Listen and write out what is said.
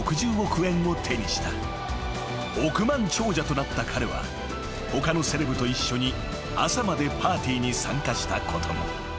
［億万長者となった彼は他のセレブと一緒に朝までパーティーに参加したことも］